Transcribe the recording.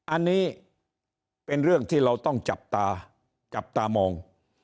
อันนี้เป็นเรื่องที่เราต้องจับตาจับตามอง